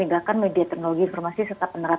menegakkan media teknologi informasi serta penerapan